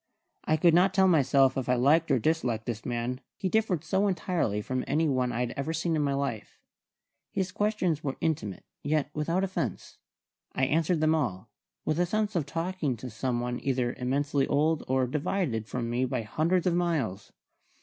I could not tell myself if I liked or disliked the man, he differed so entirely from any one I had ever seen in my life. His questions were intimate, yet without offence. I answered them all, with a sense of talking to some one either immensely old or divided from me by hundreds of miles.